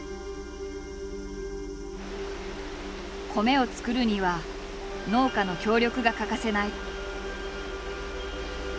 「米を作るには農家の協力が欠かせない」。